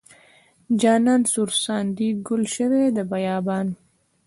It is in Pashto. جانان سور ساندې ګل شوې د بیابان.